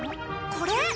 これ？